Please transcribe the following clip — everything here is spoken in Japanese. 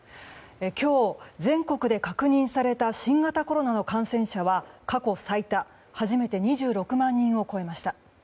今日、全国で確認された新型コロナの感染者は過去最多初めて２６万人を超えました。